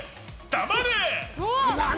黙れ！